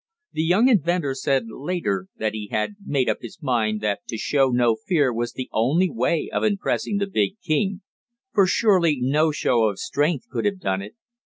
The young inventor said later that he had made up his mind that to show no fear was the only way of impressing the big king, for surely no show of strength could have done it.